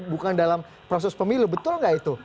bukan dalam proses pemilu betul nggak itu